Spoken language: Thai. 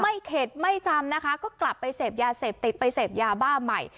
เข็ดไม่จำนะคะก็กลับไปเสพยาเสพติดไปเสพยาบ้าใหม่